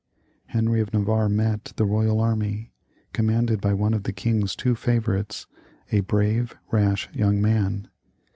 Henry of Navarre met the royal army, commanded by one of the king's two favourites, a brave rash young man.